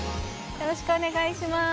よろしくお願いします